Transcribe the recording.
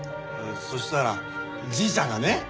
そしたらじいちゃんがね。